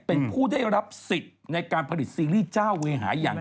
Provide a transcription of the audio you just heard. เป็นผู้ได้รับสิทธิ์ในการผลิตซีรีส์เจ้าเวหาอย่าง